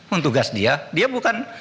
untuk gas dia dia bukan